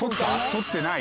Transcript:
撮ってない？